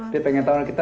dia pengen tahu